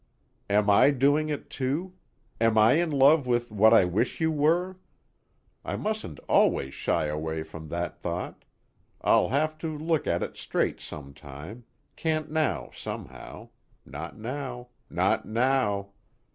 "Am I doing it too? Am I in love with what I wish you were? I mustn't always shy away from that thought I'll have to look at it straight some time, can't now somehow, not now, not now.